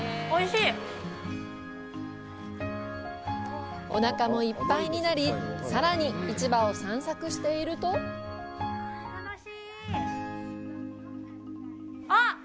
おなかもいっぱいになり、さらに市場を散策しているとあっ！